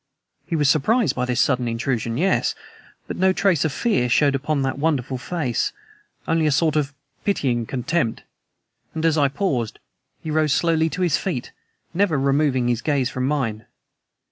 He was surprised by this sudden intrusion yes, but no trace of fear showed upon that wonderful face, only a sort of pitying contempt. And, as I paused, he rose slowly to his feet, never removing his gaze from mine.